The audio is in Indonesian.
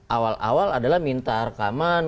awal awal adalah minta rekaman